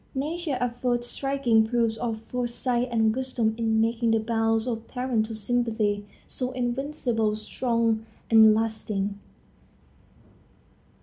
Nature affords striking proofs of foresight and wisdom in making the bonds of parental sympathy so invincibly strong and lasting.